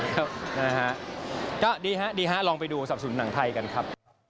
ครับนะฮะก็ดีฮะดีฮะลองไปดูสับสนุนหนังไทยกันครับ